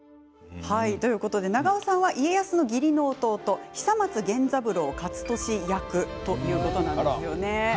長尾さんは家康の義理の弟久松源三郎勝俊役ということなんですよね。